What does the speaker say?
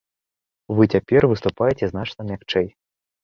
Вы цяпер выступаеце значна мякчэй.